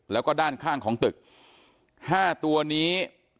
แล้วก็ด้านข้างของตึก๕ตัวนี้